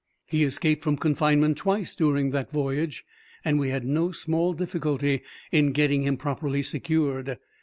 He escaped from confinement twice during the voyage, and we had no small difficulty in getting him properly secured.